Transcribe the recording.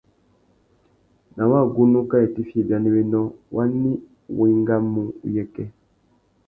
Ná wagunú kā itifiya ibianéwénô, wani wá engamú uyêkê? .